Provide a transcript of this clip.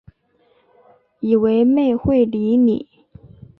以为妹会理你